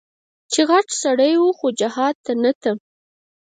چې غټ سړى و خو جهاد ته نه ته.